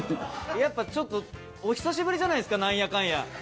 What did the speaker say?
やっぱちょっとお久しぶりじゃないですかなんやかんや。